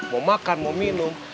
mau makan mau minum